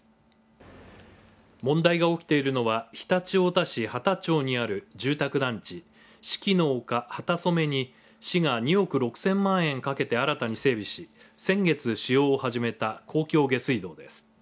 問題が起きているのは常陸太田市幡町にある住宅団地四季の丘はたそめに市が２億６０００万円かけて新たに整備し先月使用を始めた公共下水道です。